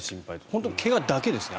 本当に怪我だけですね。